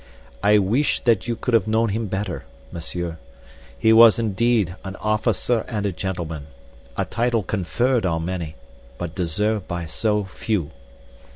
I wish that you could have known him better, Monsieur. He was indeed an officer and a gentleman—a title conferred on many, but deserved by so few.